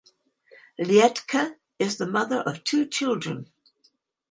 Liedtke is the mother of two children.